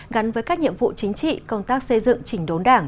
gắn với các nhiệm vụ chính trị công tác xây dựng chỉnh đốn đảng